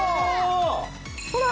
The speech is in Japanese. ほら！